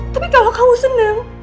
tapi kalau kamu senang